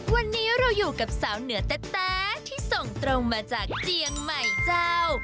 วันนี้เราอยู่กับสาวเหนือแต๊ะที่ส่งตรงมาจากเจียงใหม่เจ้า